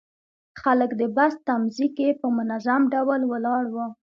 خلک د بس تمځي کې په منظم ډول ولاړ وو.